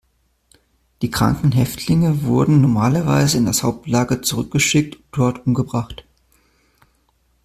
Die kranken Häftlinge wurden normalerweise in das Hauptlager zurückgeschickt und dort umgebracht.